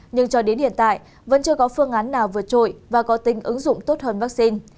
nhưng cho đến hiện tại vẫn chưa có phương án nào vượt trội và có tính ứng dụng tốt hơn vaccine